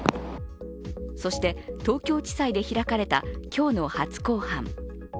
そして東京地裁で開かれた今日の初公判。